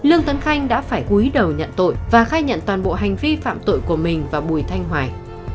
lương tấn khanh đã phải gúi đầu nhận tội và khai nhận toàn bộ hành vi phạm tội của mình và bùi thanh hoài